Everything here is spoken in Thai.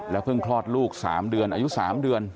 เพิ่งคลอดลูก๓เดือนอายุ๓เดือน